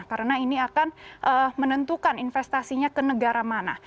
karena ini akan menentukan investasinya ke negara mana